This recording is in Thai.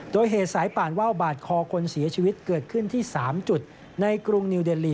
โดยเหตุสายป่านว่าวบาดคอคนเสียชีวิตเกิดขึ้นที่๓จุดในกรุงนิวเดลี